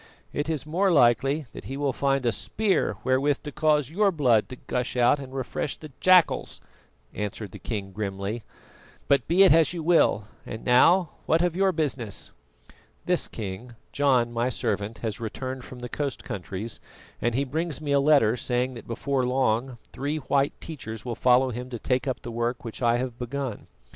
"It is more likely that he will find a spear wherewith to cause your blood to gush out and refresh the jackals," answered the king grimly; "but be it as you will. And now, what of your business?" "This, King: John, my servant, has returned from the coast countries, and he brings me a letter saying that before long three white teachers will follow him to take up the work which I have begun.